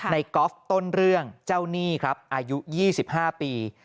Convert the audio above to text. กอล์ฟต้นเรื่องเจ้าหนี้ครับอายุ๒๕ปี